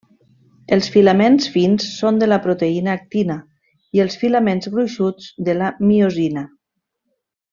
Els filaments fins són de la proteïna actina i els filaments gruixuts de la miosina.